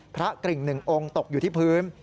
พระกริ่งหนึ่งองค์ตกอยู่ที่พื้น